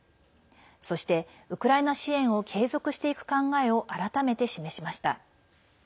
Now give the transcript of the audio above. そして、ウクライナ支援を継続していく考えを改めて示しました。